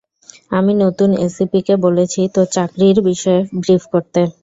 আমি নতুন এসিপিকে বলেছি তোর চাকরির বিষয়ে ব্রিফ করতে।